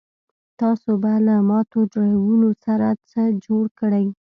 تاسو به له ماتو ډرایوونو سره څه جوړ کړئ